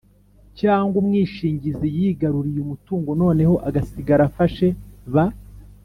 cyangwa umwishingizi yigaruriye umutungo noneho agasigara afashe ba